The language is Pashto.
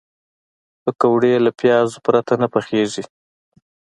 پکورې له پیازو پرته نه پخېږي